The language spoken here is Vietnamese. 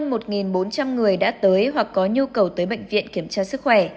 hơn một bốn trăm linh người đã tới hoặc có nhu cầu tới bệnh viện kiểm tra sức khỏe